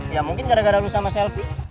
ya mungkin gara gara lu sama selfie